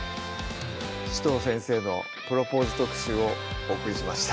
紫藤先生のプロポーズ特集をお送りしました